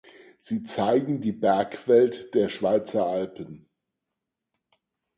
Sie zeigen die Bergwelt der Schweizer Alpen.